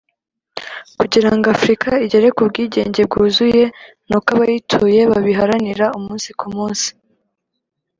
kugira ngo Afurika igere ku bwigenge bwuzuye ni uko abayituye babiharanira umunsi ku munsi”